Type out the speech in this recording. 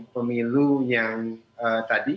pemilu yang tadi